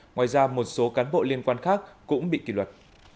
ngoài ra một số cán bộ liên quan khác cũng bị kỷ luật